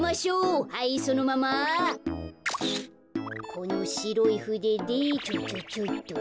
このしろいふででチョチョチョイと。